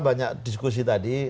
banyak diskusi tadi